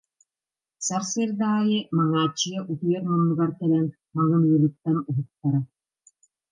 Сарсыарда аайы Маҥааччыйа утуйар муннугар кэлэн маҥырыырыттан уһуктара